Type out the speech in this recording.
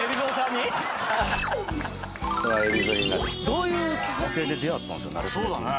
「どういうきっかけで出会ったんですか？」